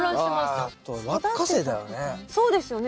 あとラッカセイだよね。